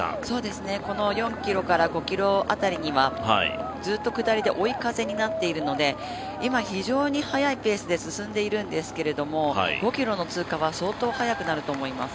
この４ｋｍから５ｋｍ辺りはずっと下りで追い風になっているので今、非常に速いペースで進んでいるんですけど５ｋｍの通過は非常に速くなると思います。